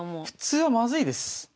普通はまずいです。